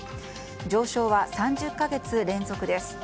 上昇は３０か月連続です。